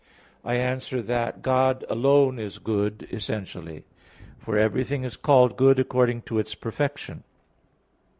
I answer that, God alone is good essentially. For everything is called good according to its perfection.